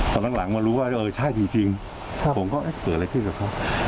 ตอนหลังมารู้ว่าเออใช่จริงผมก็เกิดอะไรขึ้นกับเขา